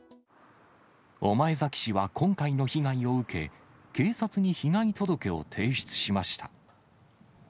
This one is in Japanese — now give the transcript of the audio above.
御前崎市は今回の被害を受け、警察に被害届を提出しました。